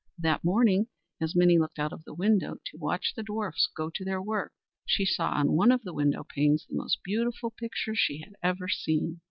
That morning, as Minnie looked out of the window to watch the dwarfs go to their work, she saw on one of the window panes the most beautiful picture she had ever seen.